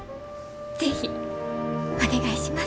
是非お願いします！